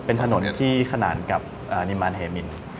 เป็นถนนที่ขนานกับนิมานเฮมิน